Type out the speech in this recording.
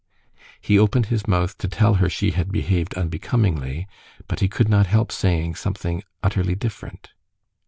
He opened his mouth to tell her she had behaved unbecomingly, but he could not help saying something utterly different.